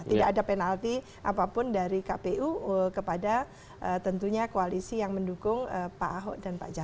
tidak ada penalti apapun dari kpu kepada tentunya koalisi yang mendukung pak ahok dan pak jokowi